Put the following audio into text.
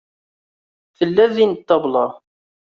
Tella din ṭṭabla.